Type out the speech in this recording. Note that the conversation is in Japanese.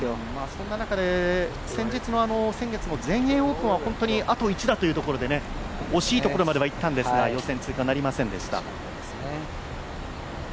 そんな中で先月の全英オープンは本当にあと１打というところで、惜しいところまではいったんですが予選通過なりませんでした。